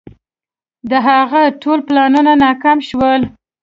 د هغه ټول پلانونه ناکام شول.